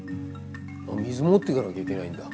水持っていかなきゃいけないんだ。